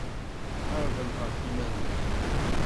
Ḥarbem ɣef yiman-nwen.